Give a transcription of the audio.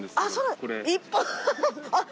これ。